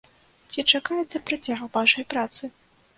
Ці чакаецца працяг вашай працы?